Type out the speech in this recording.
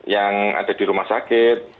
yang ada di rumah sakit